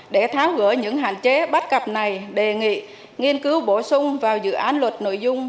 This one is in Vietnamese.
để tháo gỡ những hạn chế bắt cập này đề nghị nghiên cứu bổ sung vào dự án luật nội dung